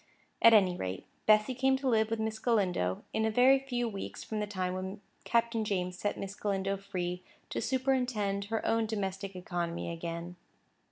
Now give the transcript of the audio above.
At any rate, Bessy came to live with Miss Galindo, in a very few weeks from the time when Captain James set Miss Galindo free to superintend her own domestic economy again.